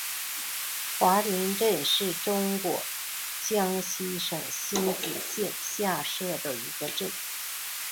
华林镇是中国江西省星子县下辖的一个镇。